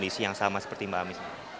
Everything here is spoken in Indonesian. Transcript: ada kondisi yang sama seperti mbak ami